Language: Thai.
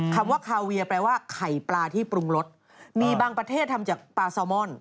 คำว่าคาเวียแปลว่าไข่ปลาที่ปรุงรสมีบางประเทศทำจากปลาซาวมอน